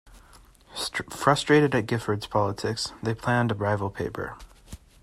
Frustrated at Giffard's politics, they planned a rival paper.